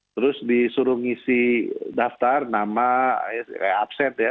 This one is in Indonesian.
terus disuruh ngisi daftar nama upset ya